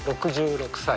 ６６歳。